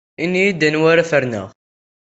Ini-iyi-d anwa ara ferneɣ.